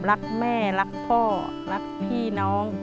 รักแม่รักพ่อรักพี่น้อง